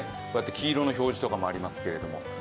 こうやって黄色の表示とかもありますけれども。